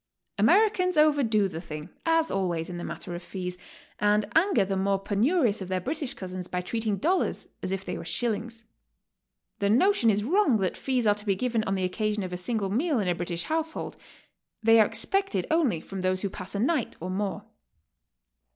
Americans overdo the thing, as always in the matter of kes. 174 GOING ABROAD? and anger the more penurious of their British cousins by treating dollars as if they were shillings. The notion is wrong that fees are to be given on the occasion oI a single meal in a British household; they are expected only from those who pass a night or more.